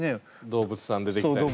動物さん出てきたりとか。